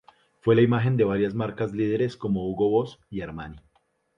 Fue la imagen de varias marcas líderes como Hugo Boss y Armani.